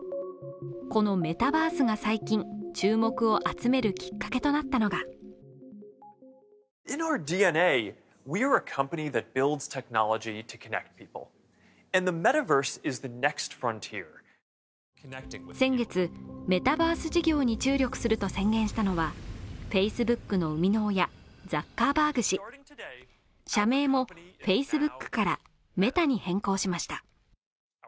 このメタバースが最近注目を集めるきっかけとなったのが先月、メタバース事業に注力すると宣言したのは、Ｆａｃｅｂｏｏｋの生みの親、ザッカーバーグ氏社名もＦａｃｅｂｏｏｋからメタに変更しました。